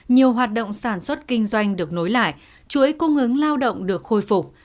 nhiều hoạt động sản xuất kinh doanh được nối lại chuỗi cung ứng lao động được khôi phục